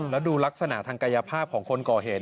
แล้วดูลักษณะทางกายภาพของคนก่อเหตุ